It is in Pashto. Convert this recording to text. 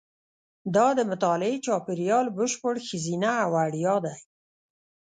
دا د مطالعې چاپېریال بشپړ ښځینه او وړیا دی.